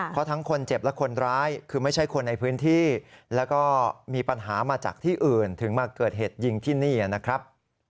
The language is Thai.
เพราะทั้งคนเจ็บและคนร้ายคือไม่ใช่คนในพื้นที่แล้วก็มีปัญหามาจากที่อื่นถึงมาเกิดเหตุยิงที่นี่นะครับ